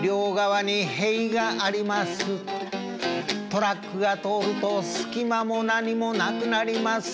「トラックが通ると隙間も何もなくなります」